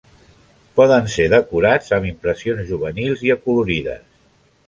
Poden ser decorats amb impressions juvenils i acolorides.